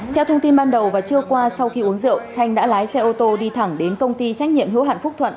theo thông tin ban đầu và trưa qua sau khi uống rượu thanh đã lái xe ô tô đi thẳng đến công ty trách nhiệm hữu hạn phúc thuận